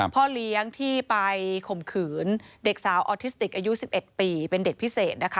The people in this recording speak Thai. พ่อเลี้ยงที่ไปข่มขืนเด็กสาวออทิสติกอายุ๑๑ปีเป็นเด็กพิเศษนะคะ